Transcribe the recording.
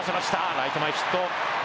ライト前ヒット。